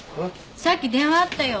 さっき電話あったよ。